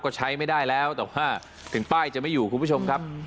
ก็ใช้ไม่ได้แล้วแต่ว่าถึงป้ายจะไม่อยู่คุณผู้ชมครับ